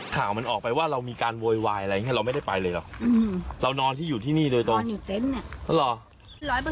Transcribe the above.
ข่าวมันออกไปว่าเรามีการโวยวายอะไรอย่างนี้เราไม่ได้ไปเลยหรอกเรานอนที่อยู่ที่นี่โดยตรงนอนอยู่เต็นต์อ่ะ